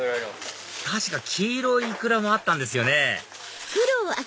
確か黄色いイクラもあったんですよね